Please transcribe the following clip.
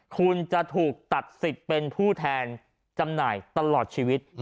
คุณจะถูกตัดสิทธิ์เป็นผู้แทนจำหน่ายตลอดชีวิต